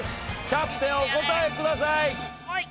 キャプテンお答えください。